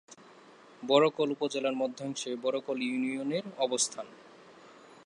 বরকল উপজেলার মধ্যাংশে বরকল ইউনিয়নের অবস্থান।